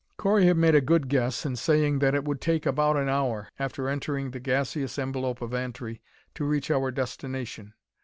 Correy had made a good guess in saying that it would take about an hour, after entering the gaseous envelope of Antri, to reach our destination.